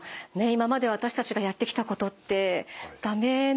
今まで私たちがやってきたことってダメなんですね。